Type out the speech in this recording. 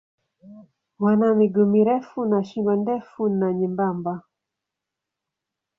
Wana miguu mirefu na shingo ndefu na nyembamba.